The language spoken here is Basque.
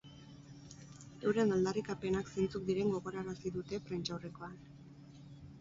Euren aldarrikapenak zeintzuk diren gogorarazi dute prentsaurrekoan.